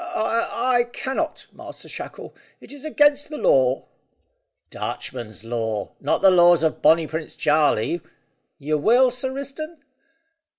"I I cannot, Master Shackle; it is against the law." "Dutchman's law, not the laws of Bonnie Prince Charlie. You will, Sir Risdon?"